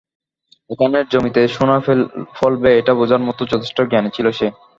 এখানের জমিতে সোনা ফলবে এটা বুঝার মত যথেষ্ট জ্ঞানী ছিল সে।